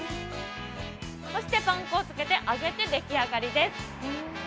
そしてパン粉をつけて揚げて、出来上がりです。